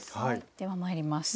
ではまいります。